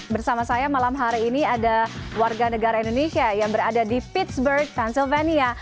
bersama saya malam hari ini ada warga negara indonesia yang berada di pittsburgh pennsylvania